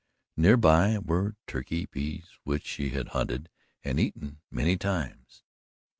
Near by were turkey peas, which she had hunted and eaten many times.